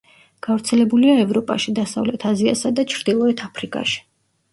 გავრცელებულია ევროპაში, დასავლეთ აზიასა და ჩრდილოეთ აფრიკაში.